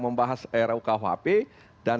membahas rukhp dan